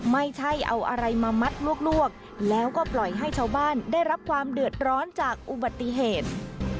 ไม่ใช่เอาอะไรมามัดลวกแล้วก็ปล่อยให้ชาวบ้านได้รับความเดือดร้อนจากอุบัติเหตุ